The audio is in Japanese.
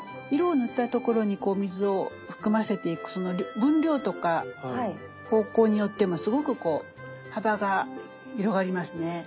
色を塗ったところに水を含ませていくその分量とか方向によってもすごくこう幅が広がりますね。